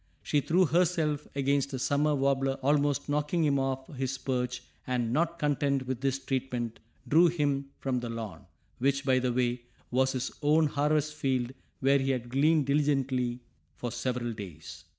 She threw herself against a summer warbler almost knocking him off his perch and, not content with this treatment, drew him from the lawn, which, by the way, was his own harvest field where he had gleaned diligently for several days.